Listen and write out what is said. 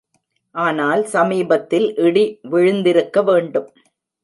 ஆனால் சமீபத்தில் இடி விழுந்திருக்க வேண்டும்.